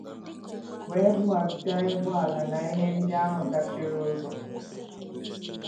wee bughasịa ụgbọala na ihe ndị ahụ dachiri ụzọ.